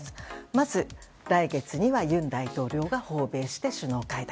まず、来月には尹大統領が訪米して首脳会談。